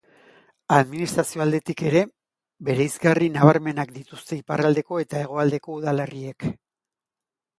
Administrazio aldetik ere bereizgarri nabarmenak dituzte iparraldeko eta hegoaldeko udalerriek.